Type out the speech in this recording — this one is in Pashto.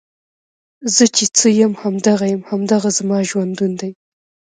زۀ چې څۀ يم هم دغه يم، هـــم دغه زمـا ژونـد ون دی